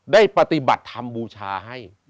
ได้ปฏิบัติธรรมบูชาให้